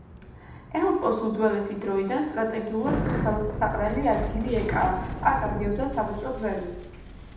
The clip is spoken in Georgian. ალეპოს უძველესი დროიდან სტრატეგიულად ხელსაყრელი ადგილი ეკავა, აქ გადიოდა სავაჭრო გზები.